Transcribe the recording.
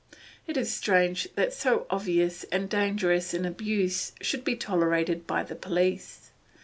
It is strange that so obvious and dangerous an abuse should be tolerated by the police.